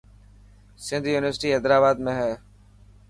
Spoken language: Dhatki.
سنڌ يونيورسٽي حيدرآباد ۾ هي.